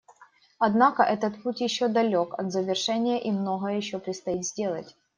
Однако этот путь еще далек от завершения и многое еще предстоит сделать.